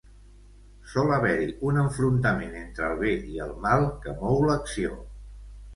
Sol haver-hi un enfrontament entre el Bé i el Mal que mou l'acció.